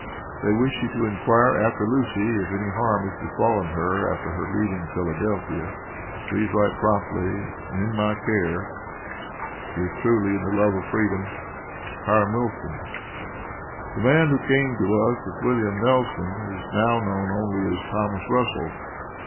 They wish you to inquire after Lucy if any harm has befallen her after her leaving Philadelphia. Please write promptly in my care. Yours truly in the love of freedom, HIRAM WILSON. The man who came to us as Wm. Nelson, is now known only as "Thomas Russell."